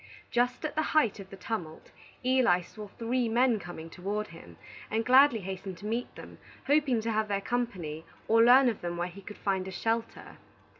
Just at the height of the tumult, Eli saw three men coming toward him, and gladly hastened to meet them, hoping to have their company or learn of them where he could find a shelter.